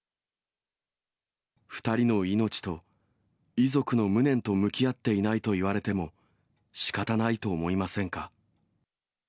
２人の命と、遺族の無念と向き合っていないと言われてもしかたないと思いませんか。